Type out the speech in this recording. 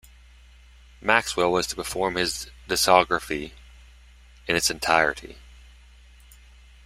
Maxwell was to perform his discography in its entirety.